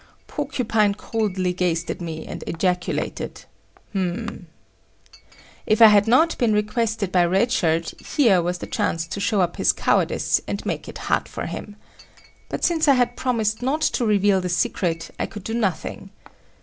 Porcupine coldly gazed at me and ejaculated "H'm." If I had not been requested by Red Shirt, here was the chance to show up his cowardice and make it hot for him. But since I had promised not to reveal the secret, I could do nothing.